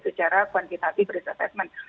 secara kuantitatif risk assessment